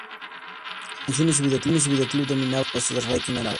La canción y su videoclip dominaban los primeros puestos del ranking árabe.